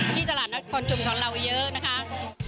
ที่ตลาดนัดคอนชุมของเราเยอะนะคะ